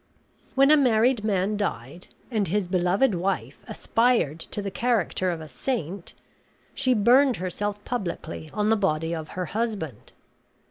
When a married man died, and his beloved wife aspired to the character of a saint, she burned herself publicly on the body of her husband.